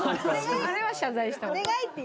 あれは謝罪した方がいい。